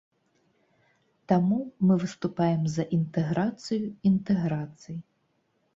Таму мы выступаем за інтэграцыю інтэграцый.